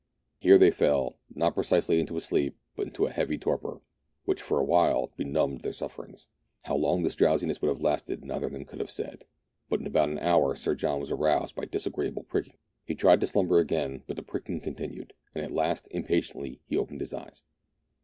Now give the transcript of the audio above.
Here they fell, not precisely into a sleep, but into a heavy torpor, which for a while benumbed their sufferings. How longthis drowsiness would have lasted neither of them could have said ; but in about an hour Sir John was aroused by a disagreeable pricking. He tried to slumber again, but the pricking continued, and at last impatiently he opened his cj'cs.